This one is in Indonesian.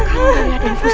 kamu maria dan fusena